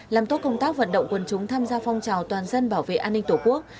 làm tốt công tác vận động quân chúng tham gia phong trào toàn dân bảo vệ an ninh tổ quốc